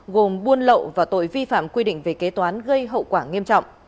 gồm buôn lậu và tội vi phạm quy định về kế toán gây hậu quả nghiêm trọng